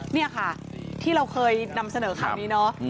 นี่ค่ะที่เราเคยนำเสนอข่าวนี้เนาะ